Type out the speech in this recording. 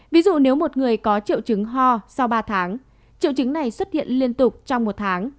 ví dụ nếu một người có triệu chứng ho sau ba tháng triệu chứng này xuất hiện liên tục trong một tháng